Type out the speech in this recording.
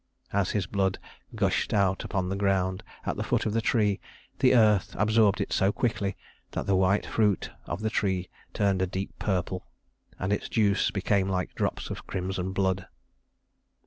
As his blood gushed out upon the ground at the foot of the tree, the earth absorbed it so quickly that the white fruit of the tree turned a deep purple, and its juice became like drops of crimson blood.